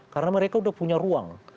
karena mereka sudah punya ruang